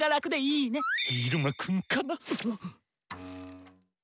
いるまくんかな⁉うっ！